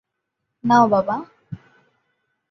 নাও, বাবা!